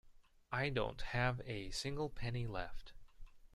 I don't have a single penny left.